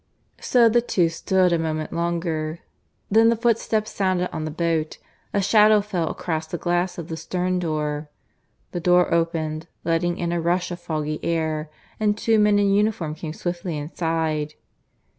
So the two stood a moment longer. Then the footsteps sounded on the boat; a shadow fell across the glass of the stern door. The door opened, letting in a rush of foggy air, and two men in uniform came swiftly inside.